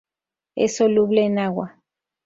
Es soluble en agua.